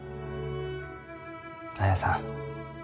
綾さん。